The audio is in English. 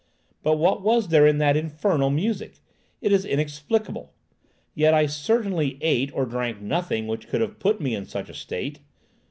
But what was there in that infernal music? It is inexplicable! Yet I certainly ate or drank nothing which could put me into such a state.